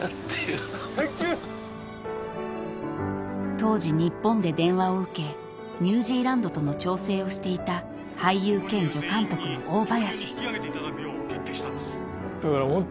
［当時日本で電話を受けニュージーランドとの調整をしていた俳優兼助監督の大林］